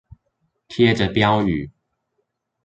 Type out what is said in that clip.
貼著標語